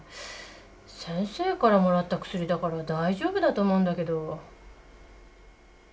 先生からもらった薬だから大丈夫だと思うんだけど。